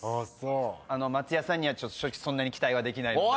松也さんには正直そんなに期待はできないので。